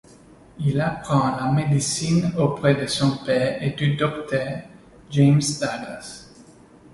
Il apprend la médecine auprès de son père et du docteur James Douglas.